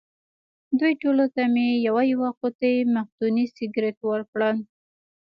دوی ټولو ته مې یوه یوه قوطۍ مقدوني سګرېټ ورکړل.